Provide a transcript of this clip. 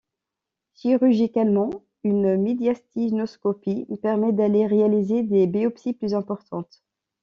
Chirurgicalement, une médiastinoscopie permet d'aller réaliser des biopsies plus importantes.